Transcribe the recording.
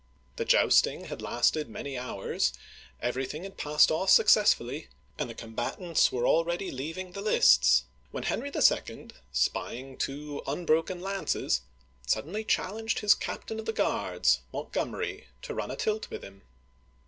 The jousting had lasted many hours, everything had passed off successfully, and the combatants were already leaving the lists, when Henry II., spying two unbroken lances, suddenly challenged his captain of the guards, Montgom'ery, to run a tilt with him.